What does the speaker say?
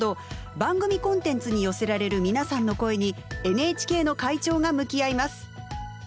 番組コンテンツに寄せられる皆さんの声にＮＨＫの会長が向き合います。